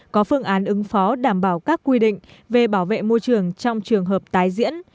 có phương án ứng phó đảm bảo các quy định về bảo vệ môi trường trong trường hợp tái diễn